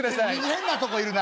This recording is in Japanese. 「変なとこいるな。